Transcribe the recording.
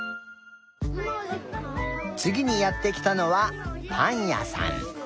つぎにやってきたのはパンやさん。